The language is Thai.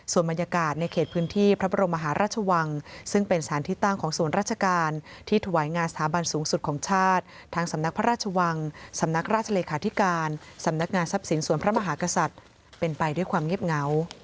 ส่วนบรรยากาศในเขตพื้นที่พระบรมมหาราชวังซึ่งเป็นสารที่ตั้งของส่วนราชการที่ถวายงานสถาบันสูงสุดของชาติทั้งสำนักพระราชวังสำนักราชเลขาธิการสำนักงานทรัพย์สินส่วนพระมหากษัตริย์เป็นไปด้วยความเงียบเหงา